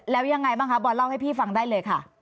แล้วยังไงบ้างคะบอยเล่าให้พี่ฟังได้เลยค่ะ